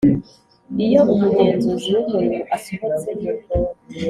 Iyo umugenzuzi w umurimo asohotse